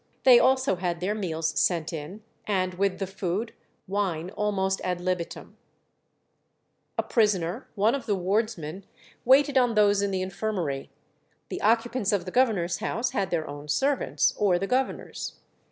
They also had their meals sent in, and, with the food, wine almost ad libitum. A prisoner, one of the wardsmen, waited on those in the infirmary; the occupants of the governor's house had their own servants, or the governor's.